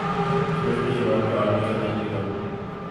Ich möchte mich erneut bei allen Beteiligten bedanken.